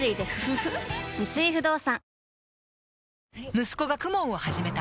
三井不動産息子が ＫＵＭＯＮ を始めた